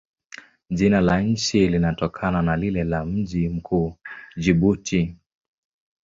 Jina la nchi linatokana na lile la mji mkuu, Jibuti.